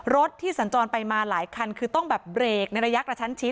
รถที่สัญจรไปมาหลายคันคือต้องแบบเบรกในระยะกระชั้นชิด